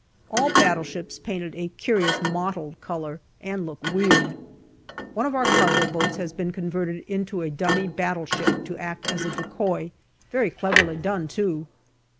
All battleships painted a curious mottled colour, and look weird. One of our cargo boats has been converted into a dummy battleship to act as a decoy, very cleverly done too.